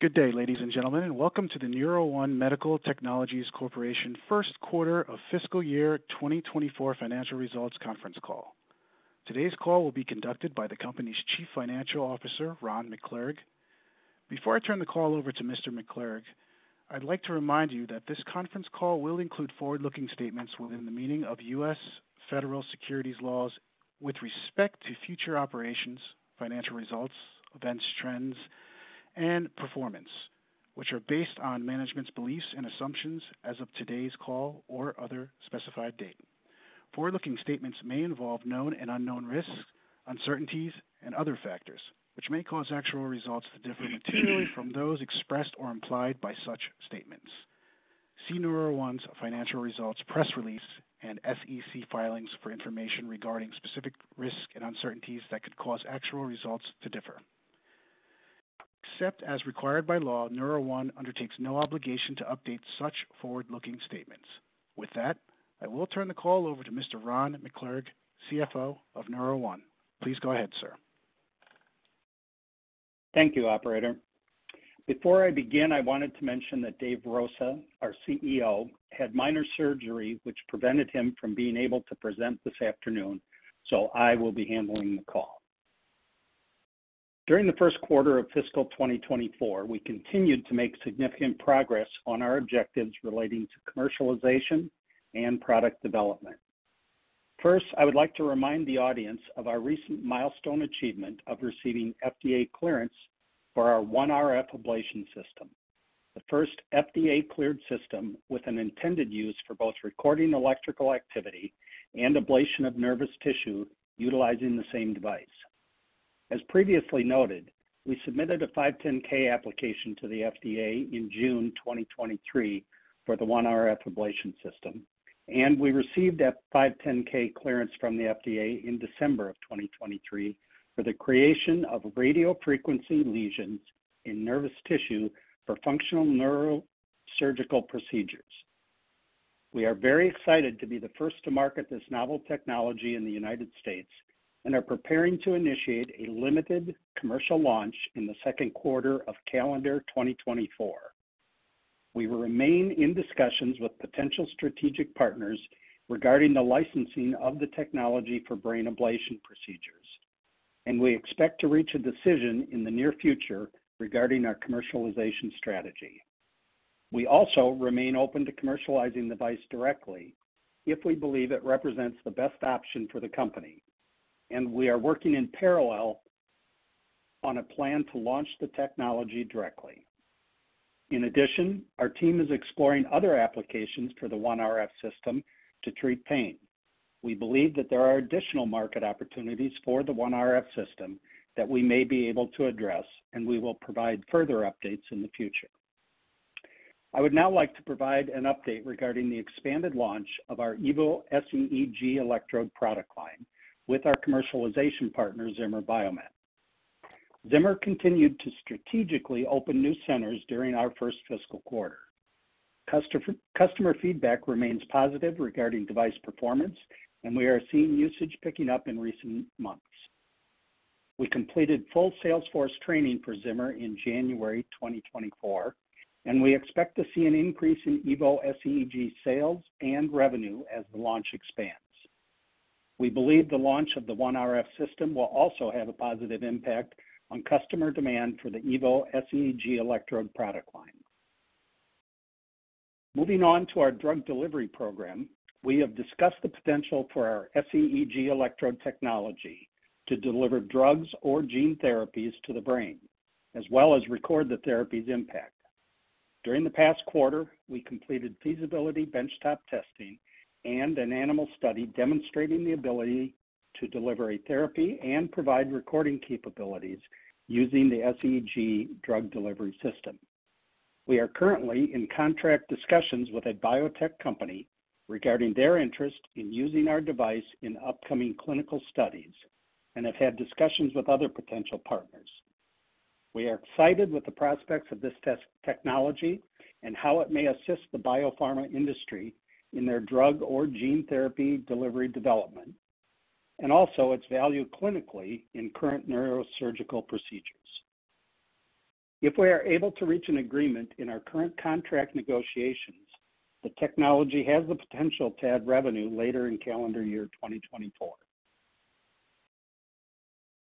Good day, ladies and gentlemen, and welcome to the NeuroOne Medical Technologies Corporation First Quarter of fiscal year 2024 financial results conference call. Today's call will be conducted by the company's Chief Financial Officer, Ron McClurg. Before I turn the call over to Mr. McClurg, I'd like to remind you that this conference call will include forward-looking statements within the meaning of U.S. federal securities laws with respect to future operations, financial results, events, trends, and performance, which are based on management's beliefs and assumptions as of today's call or other specified date. Forward-looking statements may involve known and unknown risks, uncertainties, and other factors, which may cause actual results to differ materially from those expressed or implied by such statements. See NeuroOne's financial results press release and SEC filings for information regarding specific risks and uncertainties that could cause actual results to differ. Except as required by law, NeuroOne undertakes no obligation to update such forward-looking statements. With that, I will turn the call over to Mr. Ron McClurg, CFO of NeuroOne. Please go ahead, sir. Thank you, operator. Before I begin, I wanted to mention that Dave Rosa, our CEO, had minor surgery which prevented him from being able to present this afternoon, so I will be handling the call. During the first quarter of fiscal 2024, we continued to make significant progress on our objectives relating to commercialization and product development. First, I would like to remind the audience of our recent milestone achievement of receiving FDA clearance for our OneRF ablation system, the first FDA-cleared system with an intended use for both recording electrical activity and ablation of nervous tissue utilizing the same device. As previously noted, we submitted a 510(k) application to the FDA in June 2023 for the OneRF ablation system, and we received a 510(k) clearance from the FDA in December of 2023 for the creation of radiofrequency lesions in nervous tissue for functional neurosurgical procedures. OneWe are very excited to be the first to market this novel technology in the United States and are preparing to initiate a limited commercial launch in the second quarter of calendar 2024. We remain in discussions with potential strategic partners regarding the licensing of the technology for brain ablation procedures, and we expect to reach a decision in the near future regarding our commercialization strategy. We also remain open to commercializing the device directly if we believe it represents the best option for the company, and we are working in parallel on a plan to launch the technology directly. In addition, our team is exploring other applications for the OneRF system to treat pain. We believe that there are additional market opportunities for the OneRF system that we may be able to address, and we will provide further updates in the future. I would now like to provide an update regarding the expanded launch of our Evo sEEG electrode product line with our commercialization partner, Zimmer Biomet. Zimmer continued to strategically open new centers during our first fiscal quarter. Customer feedback remains positive regarding device performance, and we are seeing usage picking up in recent months. We completed full salesforce training for Zimmer in January 2024, and we expect to see an increase in Evo sEEG sales and revenue as the launch expands. We believe the launch of the OneRF system will also have a positive impact on customer demand for the Evo sEEG electrode product line. Moving on to our drug delivery program, we have discussed the potential for our sEEG electrode technology to deliver drugs or gene therapies to the brain, as well as record the therapy's impact. During the past quarter, we completed feasibility benchtop testing and an animal study demonstrating the ability to deliver a therapy and provide recording capabilities using the sEEG drug delivery system. We are currently in contract discussions with a biotech company regarding their interest in using our device in upcoming clinical studies and have had discussions with other potential partners. We are excited with the prospects of this technology and how it may assist the biopharma industry in their drug or gene therapy delivery development, and also its value clinically in current neurosurgical procedures. If we are able to reach an agreement in our current contract negotiations, the technology has the potential to add revenue later in calendar year 2024.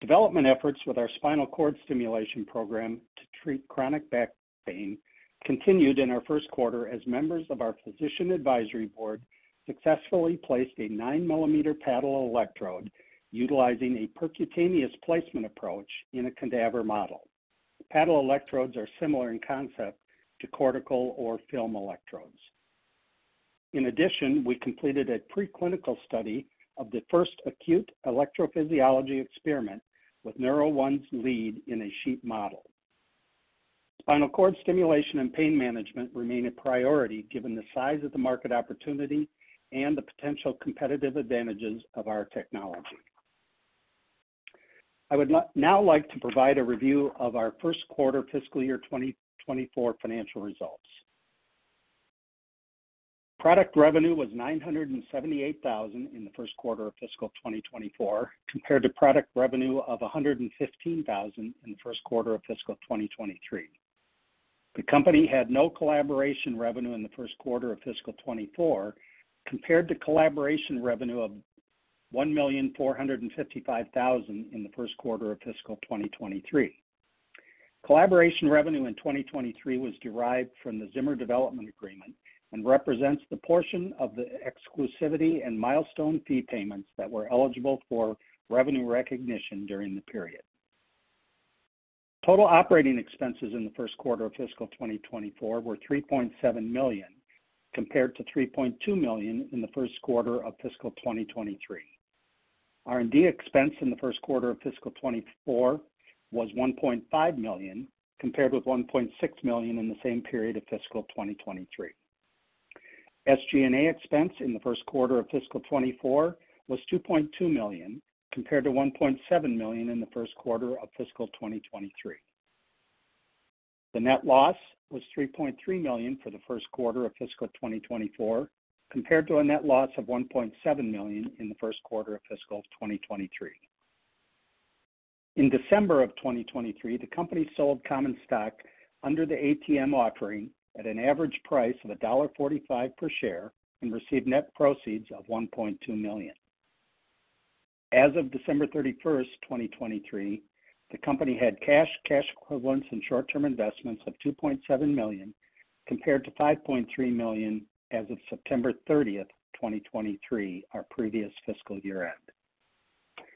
Development efforts with our spinal cord stimulation program to treat chronic back pain continued in our first quarter as members of our physician advisory board successfully placed a 9-millimeter paddle electrode utilizing a percutaneous placement approach in a cadaver model. Paddle electrodes are similar in concept to cortical or film electrodes. In addition, we completed a preclinical study of the first acute electrophysiology experiment with NeuroOne's lead in a sheep model. Spinal cord stimulation and pain management remain a priority given the size of the market opportunity and the potential competitive advantages of our technology. I would now like to provide a review of our first quarter fiscal year 2024 financial results. Product revenue was $978,000 in the first quarter of fiscal 2024 compared to product revenue of $115,000 in the first quarter of fiscal 2023. The company had no collaboration revenue in the first quarter of fiscal 2024 compared to collaboration revenue of $1,455,000 in the first quarter of fiscal 2023. Collaboration revenue in 2023 was derived from the Zimmer development agreement and represents the portion of the exclusivity and milestone fee payments that were eligible for revenue recognition during the period. Total operating expenses in the first quarter of fiscal 2024 were $3.7 million compared to $3.2 million in the first quarter of fiscal 2023. R&D expense in the first quarter of fiscal 2024 was $1.5 million compared with $1.6 million in the same period of fiscal 2023. SG&A expense in the first quarter of fiscal 2024 was $2.2 million compared to $1.7 million in the first quarter of fiscal 2023. The net loss was $3.3 million for the first quarter of fiscal 2024 compared to a net loss of $1.7 million in the first quarter of fiscal 2023. In December of 2023, the company sold common stock under the ATM Offering at an average price of $1.45 per share and received net proceeds of $1.2 million. As of December 31, 2023, the company had cash equivalents and short-term investments of $2.7 million compared to $5.3 million as of September 30, 2023, our previous fiscal year end.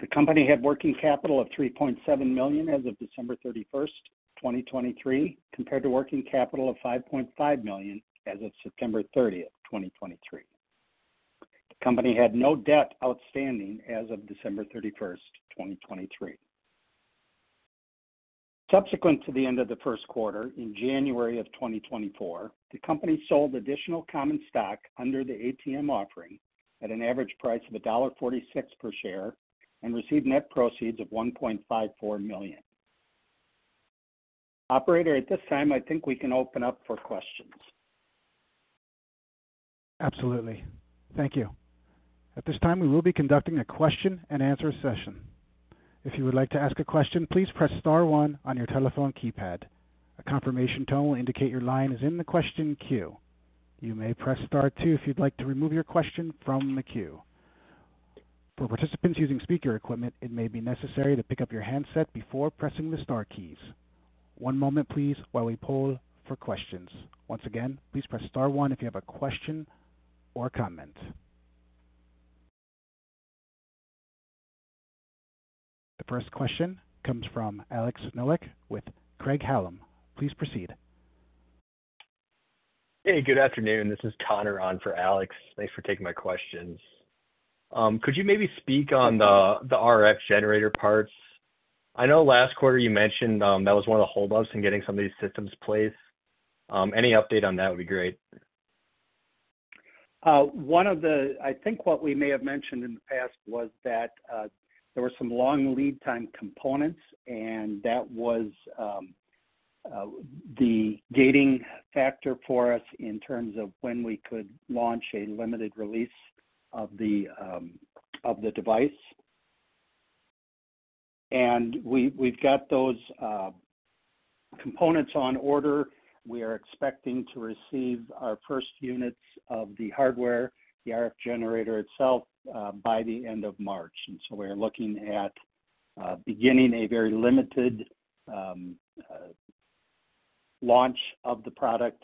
The company had working capital of $3.7 million as of December 31st, 2023, compared to working capital of $5.5 million as of September 30, 2023. The company had no debt outstanding as of December 31st, 2023. Subsequent to the end of the first quarter, in January of 2024, the company sold additional common stock under the ATM Offering at an average price of $1.46 per share and received net proceeds of $1.54 million. Operator, at this time, I think we can open up for questions. Absolutely. Thank you. At this time, we will be conducting a question-and-answer session. If you would like to ask a question, please press star 1 on your telephone keypad. A confirmation tone will indicate your line is in the question queue. You may press star 2 if you'd like to remove your question from the queue. For participants using speaker equipment, it may be necessary to pick up your handset before pressing the star keys. One moment, please, while we pull for questions. Once again, please press star 1 if you have a question or comment. The first question comes from Alexander Nowak with Craig-Hallum. Please proceed. Hey, good afternoon. This is Connor on for Alex. Thanks for taking my questions. Could you maybe speak on the RF generator parts? I know last quarter you mentioned that was one of the holdups in getting some of these systems placed. Any update on that would be great. One of the, I think, what we may have mentioned in the past was that there were some long lead time components, and that was the gating factor for us in terms of when we could launch a limited release of the device. We've got those components on order. We are expecting to receive our first units of the hardware, the RF generator itself, by the end of March. So we are looking at beginning a very limited launch of the product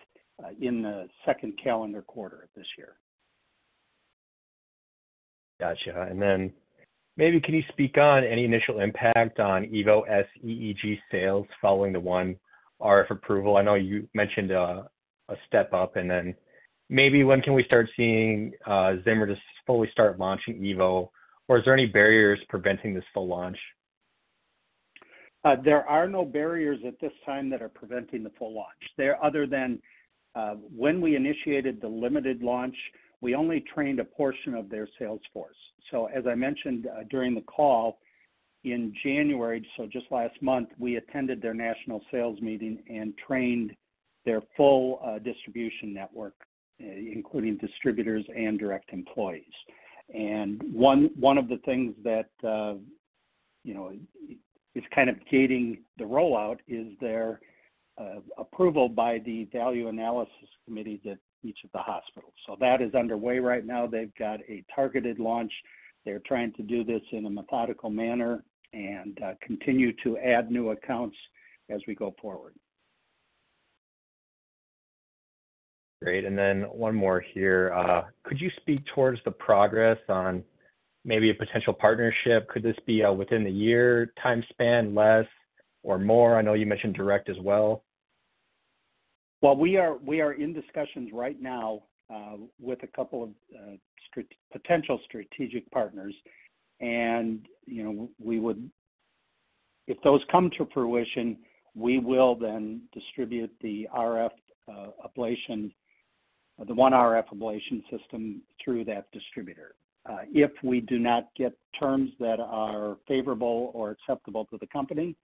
in the second calendar quarter of this year. Gotcha. And then maybe can you speak on any initial impact on Evo sEEG sales following the 1RF approval? I know you mentioned a step up, and then maybe when can we start seeing Zimmer just fully start launching Evo, or is there any barriers preventing this full launch? There are no barriers at this time that are preventing the full launch, other than when we initiated the limited launch, we only trained a portion of their sales force. So as I mentioned during the call in January, so just last month, we attended their national sales meeting and trained their full distribution network, including distributors and direct employees. And one of the things that is kind of gating the rollout is their approval by the Value Analysis Committee that each of the hospitals. So that is underway right now. They've got a targeted launch. They're trying to do this in a methodical manner and continue to add new accounts as we go forward. Great. And then one more here. Could you speak towards the progress on maybe a potential partnership? Could this be within the year time span, less or more? I know you mentioned direct as well. Well, we are in discussions right now with a couple of potential strategic partners, and we would if those come to fruition, we will then distribute the OneRF ablation system through that distributor. If we do not get terms that are favorable or acceptable to the company,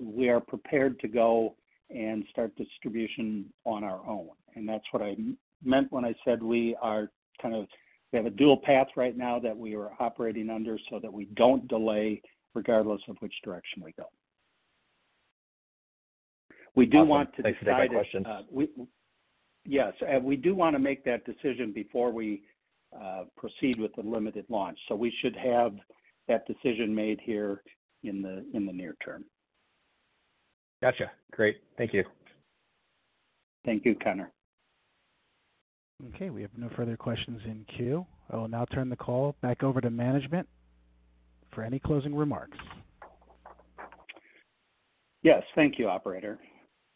we are prepared to go and start distribution on our own. And that's what I meant when I said we are kind of we have a dual path right now that we are operating under so that we don't delay regardless of which direction we go. We do want to decide. I appreciate that question. Yes. We do want to make that decision before we proceed with the limited launch. We should have that decision made here in the near term. Gotcha. Great. Thank you. Thank you, Connor. Okay. We have no further questions in queue. I will now turn the call back over to management for any closing remarks. Yes. Thank you, operator.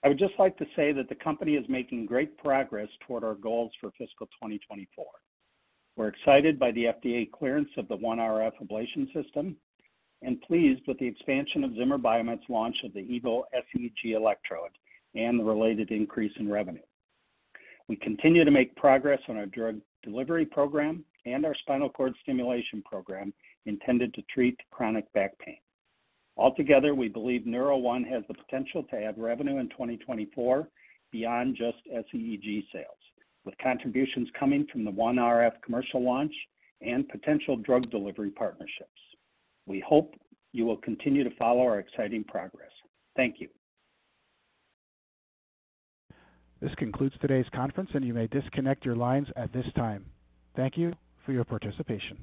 I would just like to say that the company is making great progress toward our goals for fiscal 2024. We're excited by the FDA clearance of the OneRF ablation system and pleased with the expansion of Zimmer Biomet's launch of the Evo sEEG electrode and the related increase in revenue. We continue to make progress on our drug delivery program and our spinal cord stimulation program intended to treat chronic back pain. Altogether, we believe NeuroOne has the potential to add revenue in 2024 beyond just sEEG sales, with contributions coming from the OneRF commercial launch and potential drug delivery partnerships. We hope you will continue to follow our exciting progress. Thank you. This concludes today's conference, and you may disconnect your lines at this time. Thank you for your participation.